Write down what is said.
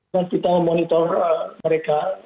dan kita memonitor mereka